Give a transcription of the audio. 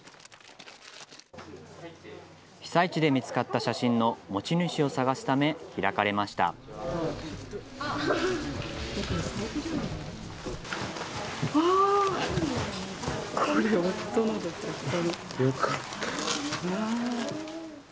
被災地で見つかった写真の持ち主を探すため開かれました。